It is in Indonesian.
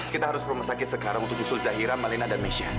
kita harus ke rumah sakit sekarang untuk susul zahira malena dan maisya